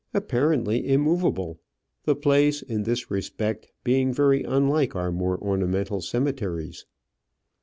apparently immovable; the place, in this respect, being very unlike our more ornamental cemeteries.